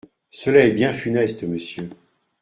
Cela est bien funeste, monsieur.